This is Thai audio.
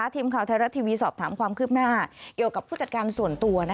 ทีมข่าวไทยรัฐทีวีสอบถามความคืบหน้าเกี่ยวกับผู้จัดการส่วนตัว